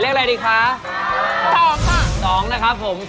ค่ะค่ะค่ะ